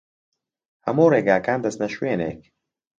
هەموو ڕێگاکان دەچنە شوێنێک.